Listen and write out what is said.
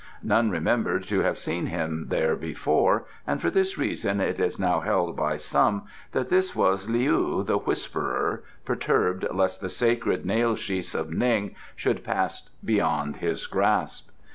None remembered to have seen him there before, and for this reason it is now held by some that this was Leou, the Whisperer, perturbed lest the sacred nail sheaths of Ning should pass beyond his grasp.